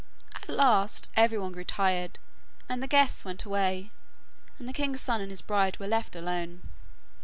At last everyone grew tired, and the guests went away, and the king's son and his bride were left alone.